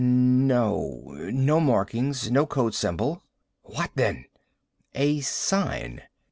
"No. No markings. No code symbol." "What, then?" "A sign."